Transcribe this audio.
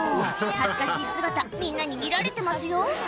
恥ずかしい姿みんなに見られてますよ